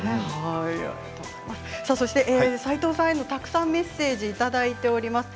そして斎藤さんへたくさんメッセージいただいております。